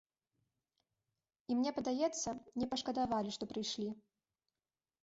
І, мне падаецца, не пашкадавалі, што прыйшлі.